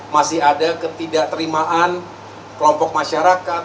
masih ada ketidakterimaan kelompok masyarakat